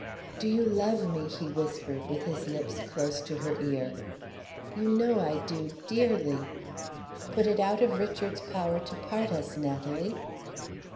"Do you love me?" he whispered, with his lips close to her ear. "You know I do, dearly." "Put it out of Richard's power to part us, Natalie."